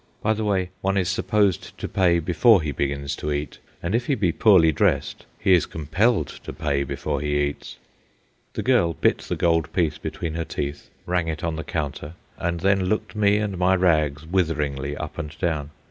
(By the way, one is supposed to pay before he begins to eat, and if he be poorly dressed he is compelled to pay before he eats). The girl bit the gold piece between her teeth, rang it on the counter, and then looked me and my rags witheringly up and down.